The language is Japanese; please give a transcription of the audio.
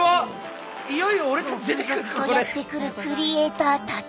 続々とやって来るクリエイターたち。